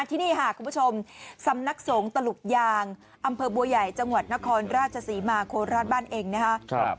ที่นี่ค่ะคุณผู้ชมสำนักสงฆ์ตลุกยางอำเภอบัวใหญ่จังหวัดนครราชศรีมาโคราชบ้านเองนะครับ